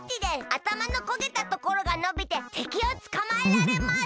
あたまのこげたところがのびててきをつかまえられます！